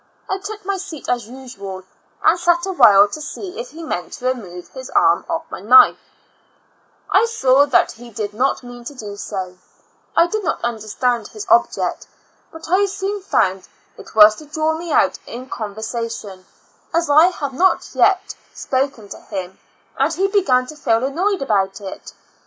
I took my seat as usual, and sat awhile to see if he meant to remove his arm off of my knife. 84 ^^''0 Years and Four Months I saw that lie did not mean to do so. I did not understand his object, but I soon found it was to draw me out in conversation, as I had not as yet spoken to him, and he began to feel annoyed about it.